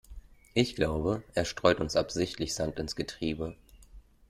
Ich glaube, er streut uns absichtlich Sand ins Getriebe.